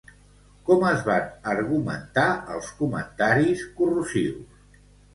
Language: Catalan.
Com es van argumentar els comentaris corrosius?